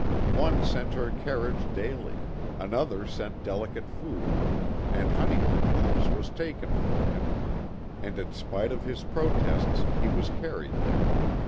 One sent her carriage daily another sent deli cate food and " Honeymoon House " was taken for him, and in spite of his protests he was carried there.